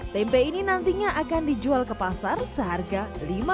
tempe ini nantinya akan dijual ke pasar seharga lima rupiah per kemasan